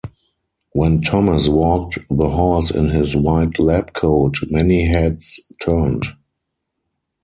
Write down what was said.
When Thomas walked the halls in his white lab coat, many heads turned.